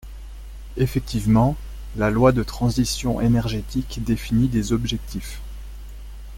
Effectivement, la loi de transition énergétique définit des objectifs.